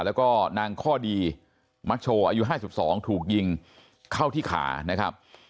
แล้วก็นางข้อดีมัชโชอายุ๕๒ถูกยิงเข้าที่ขานะครับ